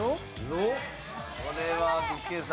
これは具志堅さん。